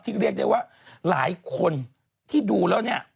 ที่เรียกได้ว่าหลายคนที่ดูแล้ว